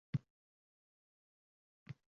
Jinnistonning sohibqironi